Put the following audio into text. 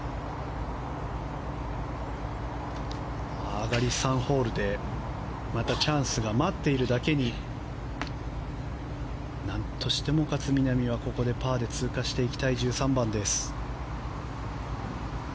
上がり３ホールでまたチャンスが待っているだけに何としても勝みなみはここでパーで通過していきたい１３番。